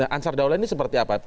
ansar daula ini seperti apa